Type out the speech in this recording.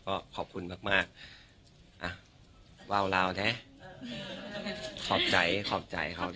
ก็ขอบคุณมากมากว้าวลาวเนี้ยขอบใจขอบใจขอบใจ